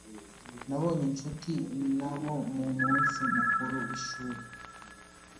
Nabonye inshuti nabo mu munsi mukuru w'ishuri.